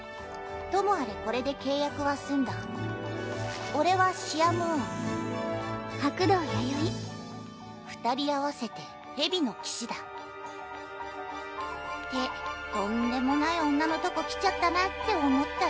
ともあれこれで契約は済俺はシア＝ムーン白道八宵二人合わせてヘビの騎士だってとんでもない女のとこ来ちゃったなって思ったね。